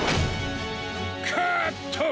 カット！